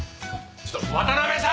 ちょっと渡辺さん